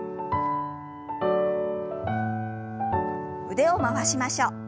腕を回しましょう。